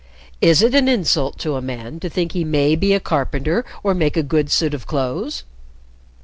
"Is it an insult to a man to think he may be a carpenter or make a good suit of clothes?